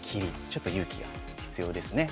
ちょっと勇気が必要ですね。